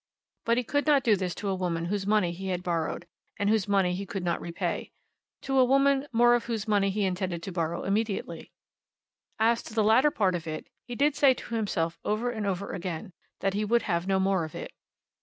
But he could not do this to a woman whose money he had borrowed, and whose money he could not repay; to a woman, more of whose money he intended to borrow immediately. As to that latter part of it, he did say to himself over and over again, that he would have no more of it.